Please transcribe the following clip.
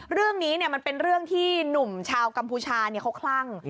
เรื่องนี้มันเป็นเรื่องที่หนุ่มชาวกัมพูชาเขาคลั่ง